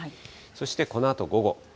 そしてこのあと午後。